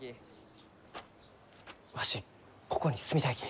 わしここに住みたいき。